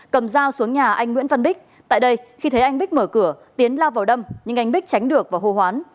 cầm dao xuống nhà anh nguyễn văn bích tại đây khi thấy anh bích mở cửa tiến lao vào đâm nhưng anh bích tránh được và hô hoán